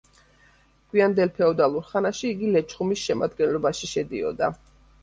გვიანდელ ფეოდალურ ხანაში იგი ლეჩხუმის შემადგენლობაში შედიოდა.